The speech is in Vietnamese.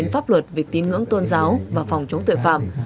pháp luật về tin ngưỡng tôn giáo và phòng chống tội phạm